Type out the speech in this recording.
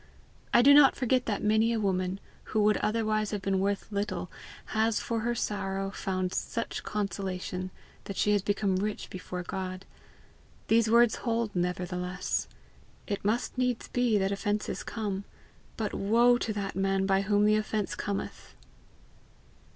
I do not forget that many a woman who would otherwise have been worth little, has for her sorrow found such consolation that she has become rich before God; these words hold nevertheless: "It must needs be that offences come, but woe to that man by whom the offence cometh!"